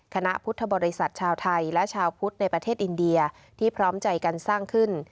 คณะพุทธบริษัทชาวไทยและชาวพุทธในประเทศอินเดียที่พร้อมใจกันสร้างขึ้น